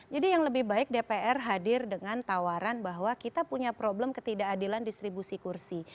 jadi yang lebih baik dpr hadir dengan tawaran bahwa kita punya problem ketidakadilan distribusi kursi